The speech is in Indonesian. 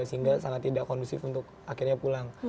sehingga sangat tidak kondusif untuk akhirnya pulang